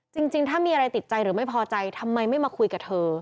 จริงถ้ามีอะไรติดใจหรือไม่พอใจทำไมไม่มาคุยกับเธอ